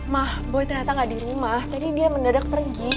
mah boy ternyata gak di rumah jadi dia mendadak pergi